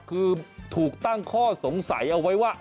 คือถูกตั้งข้อสงสัยเอาไว้ว่า